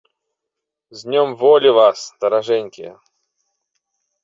З днём волі вас, даражэнькія!